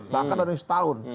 bahkan ada yang setahun